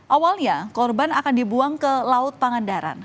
awalnya korban akan dibuang ke laut pangandaran